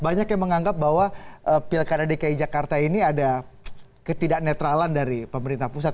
banyak yang menganggap bahwa pilkada dki jakarta ini ada ketidak netralan dari pemerintah pusat